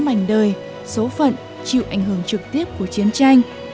mảnh đời số phận chịu ảnh hưởng trực tiếp của chiến tranh